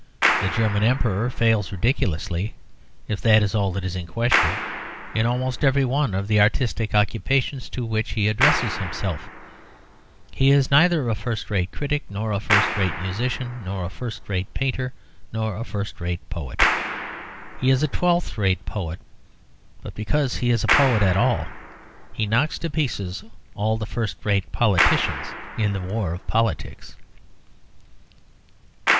The German Emperor fails ridiculously, if that is all that is in question, in almost every one of the artistic occupations to which he addresses himself: he is neither a first rate critic, nor a first rate musician, nor a first rate painter, nor a first rate poet. He is a twelfth rate poet, but because he is a poet at all he knocks to pieces all the first rate politicians in the war of politics.